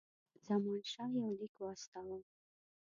زمانشاه یو لیک واستاوه.